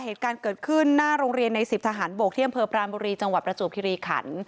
เหตุการณ์เกิดขึ้นหน้าโรงเรียนใน๑๐ทหารบกที่อำเภอปรานบุรีจังหวัดประจวบคิริขัน